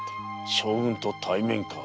将軍と対面か。